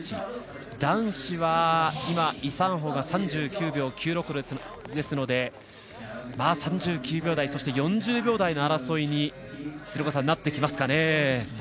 男子はイ・サンホが３９秒９６ですので３９秒台、４０秒台の争いになってきますかね。